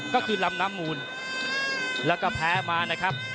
ก็คือลำน้ำมูลแล้วก็แพ้มานะครับ